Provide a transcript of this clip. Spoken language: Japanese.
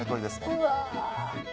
うわ。